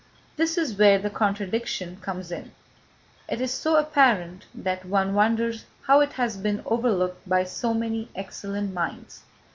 This is where the contradiction comes in. It is so apparent that one wonders how it has been overlooked by so many excellent minds.